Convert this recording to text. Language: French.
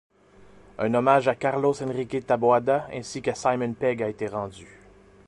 Un hommage à Carlos Enrique Taboada ainsi qu'à Simon Pegg a été rendu.